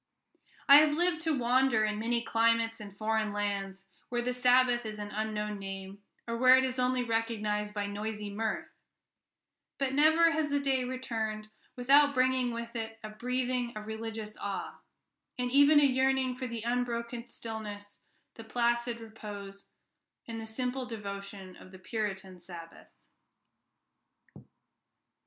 I have lived to wander in many climates and foreign lands, where the Sabbath is an unknown name, or where it is only recognized by noisy mirth; but never has the day returned without bringing with it a breathing of religious awe, and even a yearning for the unbroken stillness, the placid repose, and the simple devotion of the Puritan Sabbath.